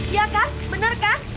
iya kan bener kan